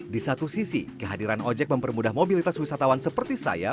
di satu sisi kehadiran ojek mempermudah mobilitas wisatawan seperti saya